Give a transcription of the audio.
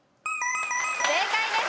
正解です。